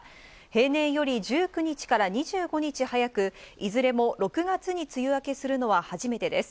平年より１９日から２５日早くいずれも６月に梅雨明けするのは初めてです。